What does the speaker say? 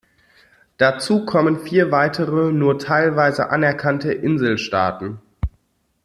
Dazu kommen vier weitere, nur teilweise anerkannte Inselstaaten.